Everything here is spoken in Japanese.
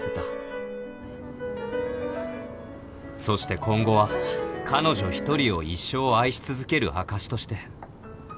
そして今後は彼女一人を一生愛し続ける証しとして